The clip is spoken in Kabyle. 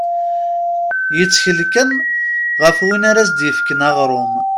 Yettkel kan ɣef win ara as-d-yefken aɣrum.